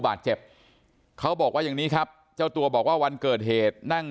บาดเจ็บเขาบอกว่าอย่างนี้ครับเจ้าตัวบอกว่าวันเกิดเหตุนั่ง